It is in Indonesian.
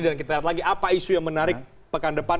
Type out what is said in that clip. dan kita lihat lagi apa isu yang menarik pekan depan